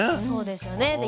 そうですよね。